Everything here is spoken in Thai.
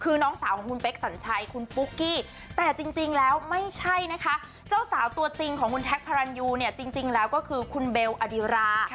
คือน้องสาวของคุณเป๊กสัญชัยคุณปุ๊กกี้แต่จริงแล้วไม่ใช่นะคะเจ้าสาวตัวจริงของคุณแท็กพารันยูเนี่ยจริงแล้วก็คือคุณเบลอดิรา